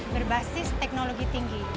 berbasis teknologi tinggi